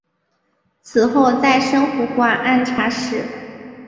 此后再升湖广按察使。